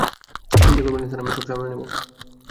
চিন্তা করবেন না স্যার, আমি সব সামলে নেব।